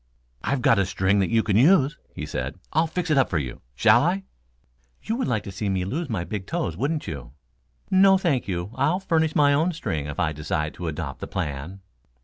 "I've got a string that you can use," he said. "I'll fix it up for you. Shall I?" "You would like to see me lose my big toes, wouldn't you? No, thank you, I'll furnish my own string if I decide to adopt the plan."